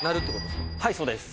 はいそうです。